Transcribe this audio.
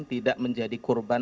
tidak menjadi kurungan